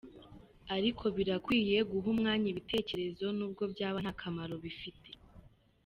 Ariko birakwiye guha umwanya ibitekerezo nubwo byaba nta kamaro bifite.